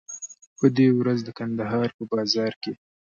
په دې ورځ د کندهار په بازار کې.